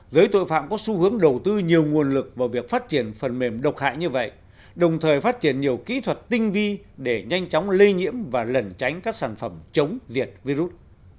giới tội phạm có xu hướng đầu tư nhiều nguồn lực vào việc phát triển phần mềm độc hại như vậy đồng thời phát triển nhiều kỹ thuật tinh vi để nhanh chóng lây nhiễm và lẩn tránh các sản phẩm chống diệt virus